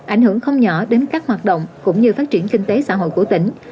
ảnh hưởng không nhỏ đến các hoạt động cũng như phát triển kinh tế xã hội của tỉnh